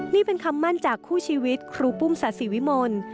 นี่เป็นคำมั่นจากคู่ชีวิตครูปุ้มศาสิวิมล